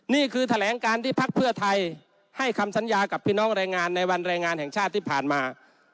นี่คือแถลงการที่พักเพื่อไทยให้คำสัญญากับพี่น้องแรงงานในวันแรงงานแห่งชาติที่ผ่านมา